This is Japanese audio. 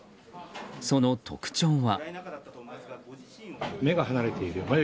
その特徴は。